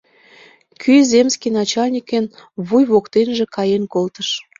Кӱ земский начальникын вуй воктенже каен колтыш.